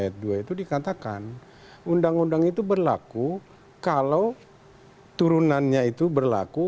jadi di dalam ayat dua itu dikatakan undang undang itu berlaku kalau turunannya itu berlaku